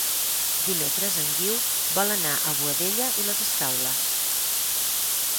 Dimecres en Guiu vol anar a Boadella i les Escaules.